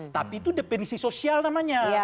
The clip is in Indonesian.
tapi itu definisi sosial namanya